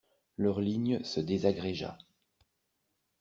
Leur ligne se désagrégea.